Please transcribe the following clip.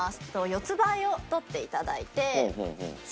四つばいをとっていただいてそ